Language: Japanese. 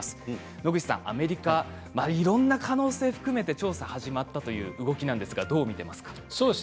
野口さん、アメリカいろんな可能性を含めて調査が始まったという動きですがどう見ていますか？